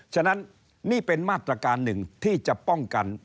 ฉะนั้นนี่เป็นมาตรการหนึ่งที่จะป้องกัน